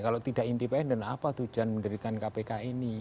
kalau tidak independen apa tujuan mendirikan kpk ini